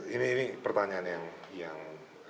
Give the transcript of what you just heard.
ini pertanyaan yang